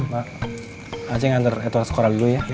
mak aceng yang ter edward sekolah dulu ya